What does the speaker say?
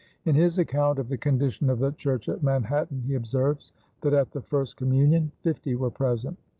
In his account of the condition of the church at Manhattan he observes that at the first communion fifty were present.